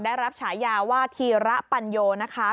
ได้รับฉายาว่าธีระปัญโยนะคะ